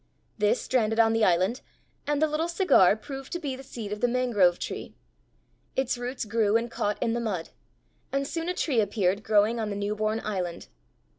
This stranded on the island, and the little cigar proved to be the seed of the mangrove tree; its roots grew and caught in the mud, and soon a tree appeared growing on the new born island.